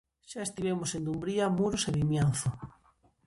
Xa estivemos en Dumbría, Muros, e Vimianzo.